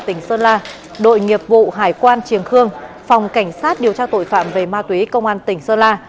tỉnh sơn la đội nghiệp vụ hải quan triềng khương phòng cảnh sát điều tra tội phạm về ma túy công an tỉnh sơn la